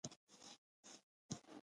د دوی پسې دوه درې نور فیلان روان وو.